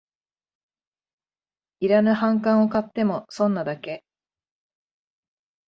いらぬ反感を買っても損なだけ